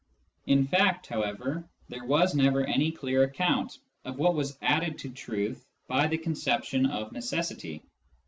In fact, however, there was never any clear account of what was added to truth by the conception of necessity.